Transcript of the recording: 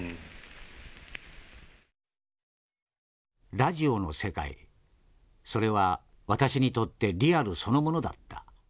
「ラジオの世界それは私にとってリアルそのものだった。